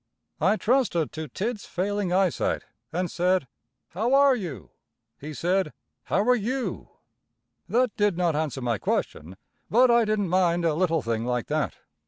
I trusted to Tidd's failing eyesight and said: "How are you?" He said, "How are you?" That did not answer my question, but I didn't mind a little thing like that.